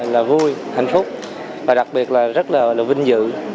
là vui hạnh phúc và đặc biệt là rất là vinh dự